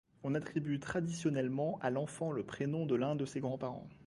On attribue traditionnellement à l'enfant le prénom de l'un de ses grands-parents.